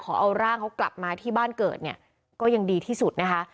เอาร่างเขากลับมาที่บ้านเกิดเนี่ยก็ยังดีที่สุดนะคะ